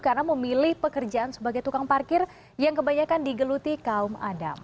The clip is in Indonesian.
karena memilih pekerjaan sebagai tukang parkir yang kebanyakan digeluti kaum adam